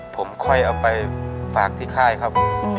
ผมค่อยเอาไปฝากที่ค่ายครับ